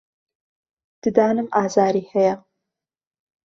ددانم ئازاری هەیە.